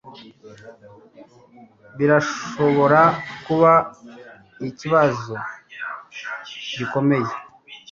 Birashobora kuba ikibazo gikomeye.